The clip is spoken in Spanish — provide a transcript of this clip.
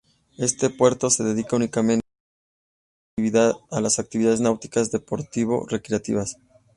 Este puerto se dedica únicamente a las actividades náutico deportivo recreativas.